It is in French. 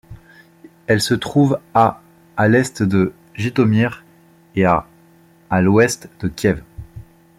Elle se trouve à à l'est de Jytomyr et à à l'ouest de Kiev.